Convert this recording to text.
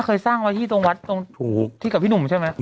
ก็ส่วนใหญ่ก็ขอเงิน